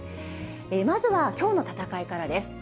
まずはきょうの戦いからです。